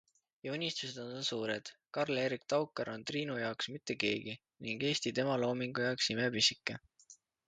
Ja unistused on tal suured, Karl-Erik Taukar on Triinu jaoks mitte keegi ning Eesti tema loomingu jaoks imepisike.